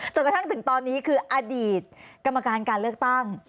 จนกระทั่งถึงตอนนี้คืออดีตกรรมการการเลือกตั้ง